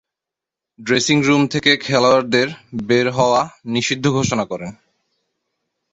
Dressing room থেকে খেলোয়াড়দের বের হওয়া নিষিদ্ধ ঘোষণা করেন।